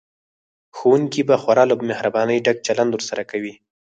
ښوونکي به خورا له مهربانۍ ډک چلند ورسره کوي